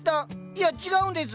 いや違うんです。